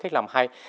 cách làm hay